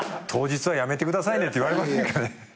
当日はやめてくださいねって言われませんかね。